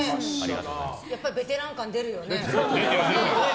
やっぱりベテラン感出るよね。